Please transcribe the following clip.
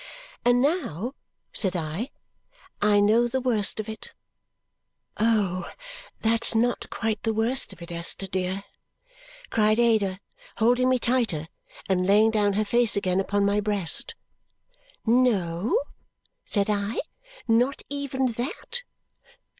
"And now," said I, "I know the worst of it." "Oh, that's not quite the worst of it, Esther dear!" cried Ada, holding me tighter and laying down her face again upon my breast. "No?" said I. "Not even that?"